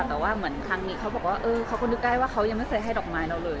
แต่ว่าเหมือนครั้งนี้เขาบอกว่าเออเขาก็นึกได้ว่าเขายังไม่เคยให้ดอกไม้เราเลย